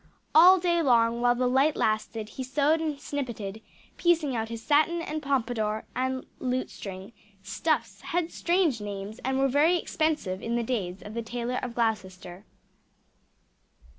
All day long while the light lasted he sewed and snippeted, piecing out his satin and pompadour, and lutestring; stuffs had strange names, and were very expensive in the days of the Tailor of Gloucester.